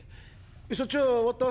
そっちは終わった？